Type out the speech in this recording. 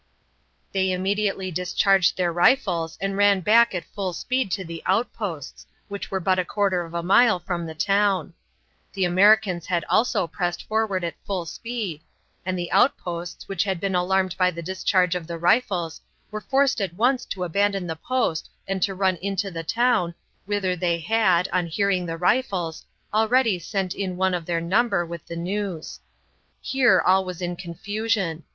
They immediately discharged their rifles and ran back at full speed to the outposts, which were but a quarter of a mile from the town. The Americans had also pressed forward at full speed, and the outposts, who had been alarmed by the discharge of the rifles, were forced at once to abandon the post and to run into the town, whither they had, on hearing the rifles, already sent in one of their number with the news. Here all was in confusion.